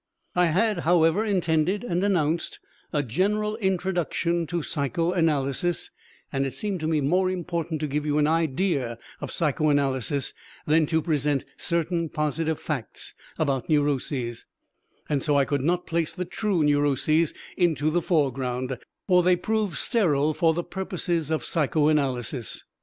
I had, however, intended and announced A General Introduction to Psychoanalysis, and it seemed to me more important to give you an idea of psychoanalysis than to present certain positive facts about neuroses; and so I could not place the true neuroses into the foreground, for they prove sterile for the purposes of psychoanalysis.